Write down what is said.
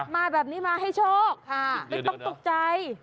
มาแบบนี้มาให้โชคไม่ต้องตกใจ